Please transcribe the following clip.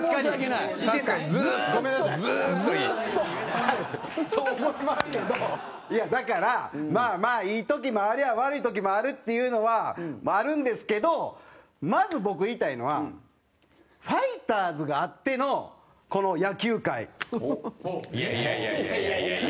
蛍原：そう思いますけどいや、だからまあまあ、いい時もありゃ悪い時もあるっていうのはあるんですけどまず、僕、言いたいのはファイターズがあってのこの野球界。